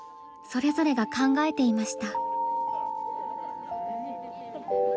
それぞれが考えていました。